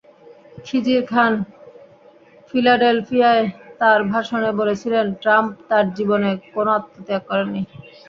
খিজির খান ফিলাডেলফিয়ায় তাঁর ভাষণে বলেছিলেন, ট্রাম্প তাঁর জীবনে কোনো আত্মত্যাগ করেননি।